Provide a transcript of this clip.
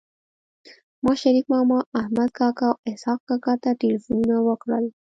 ما شريف ماما احمد کاکا او اسحق کاکا ته ټيليفونونه وکړل